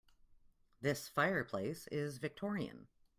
This fireplace is Victorian.